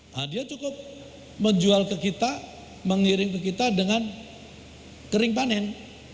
nah dia cukup menjual ke kita mengirim ke kita dengan kering panen